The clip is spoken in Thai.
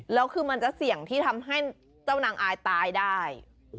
แล้วคือมันจะเสี่ยงที่ทำให้เจ้านางอายตายได้